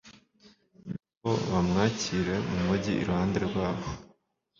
na bo bamwakire mu mugi iruhande rwabo